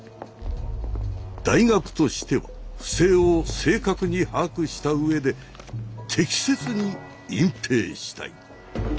大学としては不正を正確に把握した上で適切に隠蔽したい。